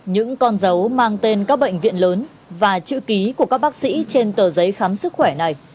những con dấu mang tên các bệnh viện lớn và chữ ký của các bác sĩ trên tờ giấy khám sức khỏe này